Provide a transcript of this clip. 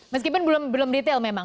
meskipun belum detail memang